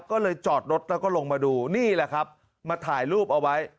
ก็เลยจอดรถแล้วก็ลงมาดูนี่แหละครับมาถ่ายรูปเอาไว้